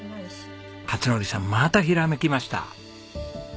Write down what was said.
勝則さんまたひらめきました。